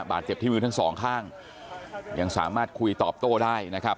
บาดเจ็บที่มือทั้งสองข้างยังสามารถคุยตอบโต้ได้นะครับ